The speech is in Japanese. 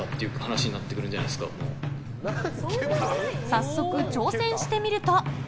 早速、挑戦してみると。